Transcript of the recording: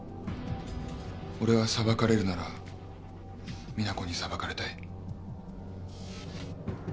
俺は裁かれるなら実那子に裁かれたい。